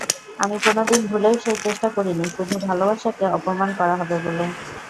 আমি কোনদিন ভুলেও সেই চেষ্টাটা করিনি, শুধু ভালবাসাকে অপমান করা হবে বলে।